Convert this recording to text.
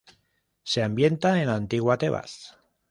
Se ambienta en la antigua Tebas.